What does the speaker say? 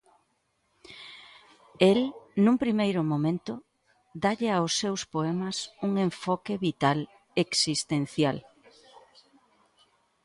El, nun primeiro momento, dálle aos seus poemas un enfoque vital, existencial.